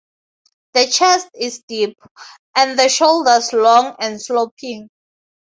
The chest is deep, and the shoulders long and sloping.